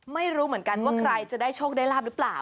ไม่รู้เหมือนกันว่าใครจะได้โชคได้ลาบหรือเปล่า